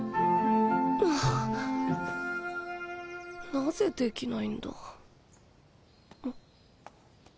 なぜできないんだ。